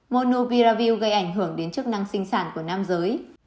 monobiravil gây ảnh hưởng đến chức năng sinh sản của nam giới